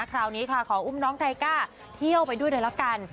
คราวนี้ค่ะขออุ้มน้องไทก้าเที่ยวไปด้วยเลยละกัน